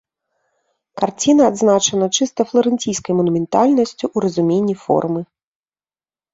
Карціна адзначана чыста фларэнційскай манументальнасцю ў разуменні формы.